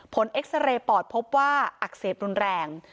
เอ็กซาเรย์ปอดพบว่าอักเสบรุนแรง